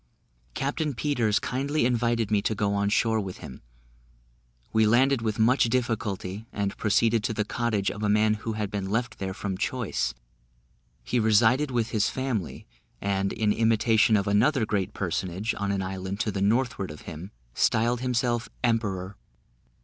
Captain Peters kindly invited me to go on shore with him. We landed with much difficulty, and proceeded to the cottage of a man who had been left there from choice; he resided with his family: and, in imitation of another great personage on an island to the northward of him, styled himself "Emperor."